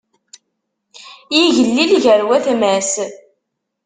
Yigellil gar watma-s.